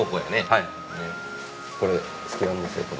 はい。